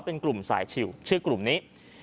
เป็นกลุ่มสายชิวชื่อกลุ่มนี้